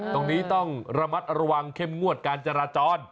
ตรงนี้ต้องระมัดระวังเข้มงวดการจราจร